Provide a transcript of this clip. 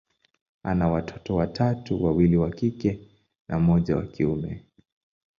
ana watoto watatu, wawili wa kike na mmoja wa kiume.